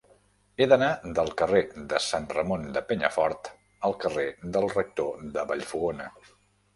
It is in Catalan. He d'anar del carrer de Sant Ramon de Penyafort al carrer del Rector de Vallfogona.